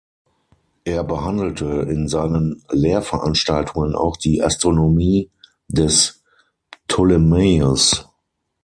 Er behandelte in seinen Lehrveranstaltungen auch die Astronomie des Ptolemaios.